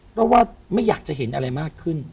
เพราะว่าไม่อยากจะเห็นอะไรมากขึ้น